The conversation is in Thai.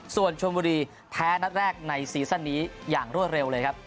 ส่วนชนบุรีแพ้นัดแรกในซีซั่นนี้อย่างรวดเร็วเลยครับ